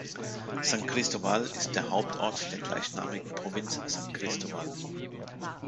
San Cristóbal ist der Hauptort der gleichnamigen Provinz San Cristóbal.